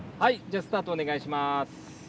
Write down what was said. じゃあスタートお願いします。